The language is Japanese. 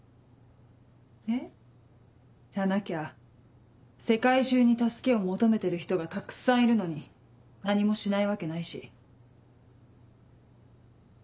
えっ？じゃなきゃ世界中に助けを求めてる人がたくさんいるのに何もしないわけないし。